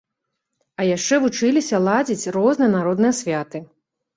А яшчэ вучыліся ладзіць розныя народныя святы.